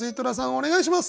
お願いします。